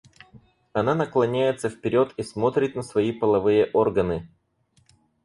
Она наклоняется вперёд и смотрит на свои половые органы.